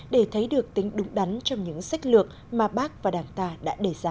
để thấy được tính đúng đắn trong những sách lược mà bác và đảng ta đã đề ra